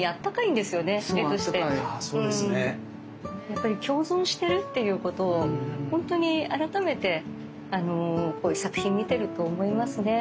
やっぱり共存してるっていうことをほんとに改めてこういう作品見てると思いますね。